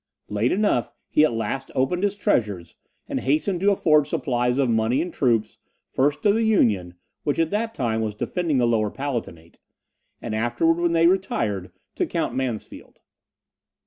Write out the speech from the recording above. Late enough, he at last opened his treasures, and hastened to afford supplies of money and troops, first to the Union, which at that time was defending the Lower Palatinate, and afterwards, when they retired, to Count Mansfeld.